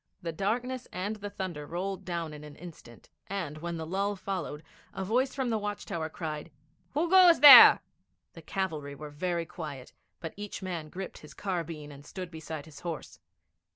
The darkness and the thunder rolled down in an instant, and, when the lull followed, a voice from the watch tower cried, 'Who goes there?' The cavalry were very quiet, but each man gripped his carbine and stood beside his horse.